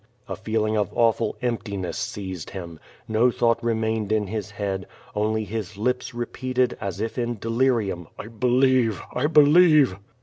A feeling of awful emptiness seized him. No thought remained in his head, only his lips repeated, as if in delirium: "I be lieve! I believe!'